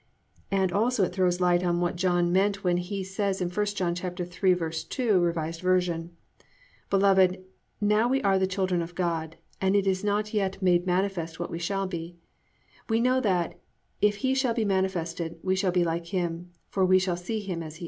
"+ And also it throws light on what John meant when he says in I John 3:2, R. V.: +"Beloved, now are we the children of God, and it is not yet made manifest what we shall be. We know that, if he shall be manifested, we shall be like him; for we shall see him as he is."